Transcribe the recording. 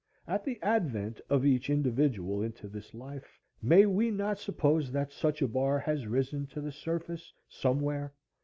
At the advent of each individual into this life, may we not suppose that such a bar has risen to the surface somewhere?